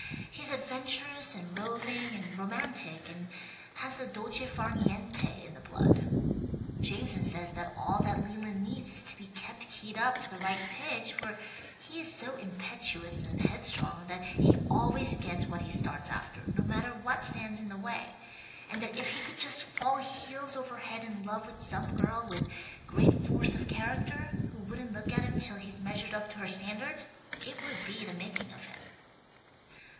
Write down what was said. He is adventurous and roving and romantic, and has the dolce far niente in the blood. Jameson says that all that Leland needs is to be kept keyed up to the right pitch, for he is so impetuous and headstrong that he always gets what he starts after, no matter what stands in the way; and that if he could just fall heels over head in love with some girl with great force of character, who wouldn't look at him till he'd measured up to her standards, it would be the making of him."